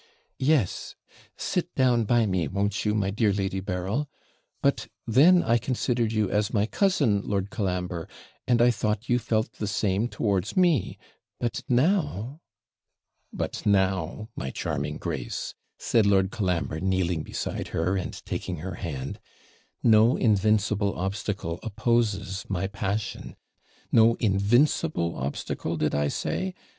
'Yes sit down by me, won't you, my dear Lady Berryl but then I considered you as my cousin, Lord Colambre, and I thought you felt the same towards me; but now ' 'But now, my charming Grace,' said Lord Colambre, kneeling beside her, and taking her hand, 'no invincible obstacle opposes my passion no INVINCIBLE obstacle, did I say?